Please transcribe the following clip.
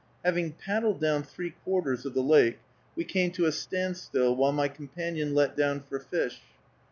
Having paddled down three quarters of the lake, we came to a standstill, while my companion let down for fish.